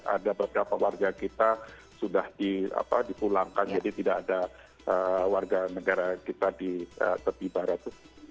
ada beberapa warga kita sudah dipulangkan jadi tidak ada warga negara kita di tepi barat